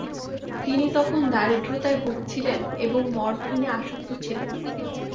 তিনি তখন দারিদ্র্যতায় ভুগছিলেন এবং মরফিনে আসক্ত ছিলেন।